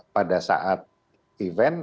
pada saat event